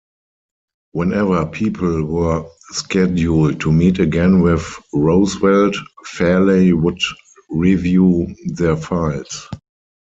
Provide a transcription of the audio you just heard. Whenever people were scheduled to meet again with Roosevelt, Farley would review their files.